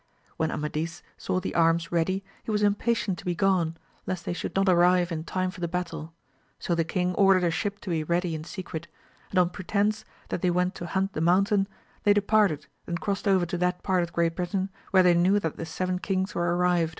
When Amadis saw the arms ready he was impatient to be gone, lest they should not arrive in time for the battle ; so the king ordered a ship to be ready in secret, and on pretence that they went to hunt the mountain, they departed and crossed over to that part of Great Britain where they knew that the seven kings were arrived.